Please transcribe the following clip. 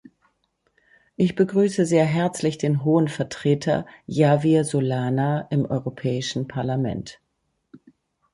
Ich begrüße sehr herzlich den Hohen Vertreter, Javier Solana, im Europäischen Parlament.